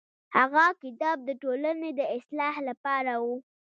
هغه کتاب د ټولنې د اصلاح لپاره و.